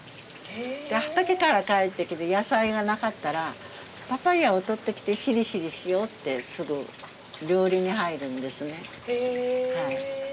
畑から帰ってきて野菜がなかったらパパイアをとってきてしりしりしようってすぐ料理に入るんですね。